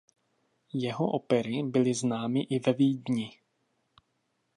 Jeho opery byly známy i ve Vídni.